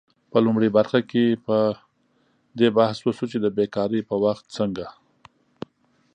په لومړۍ برخه کې په دې بحث وشو چې د بیکارۍ په وخت څنګه